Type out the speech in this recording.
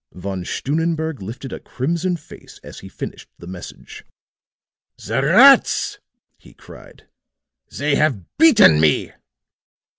Von Stunnenberg lifted a crimson face as he finished the message. "The rats!" he cried. "They have beaten me!"